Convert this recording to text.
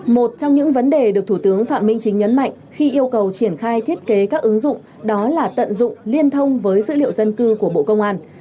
một trong những vấn đề được thủ tướng phạm minh chính nhấn mạnh khi yêu cầu triển khai thiết kế các ứng dụng đó là tận dụng liên thông với dữ liệu dân cư của bộ công an